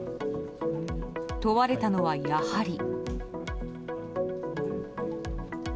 問われたのは、やはり。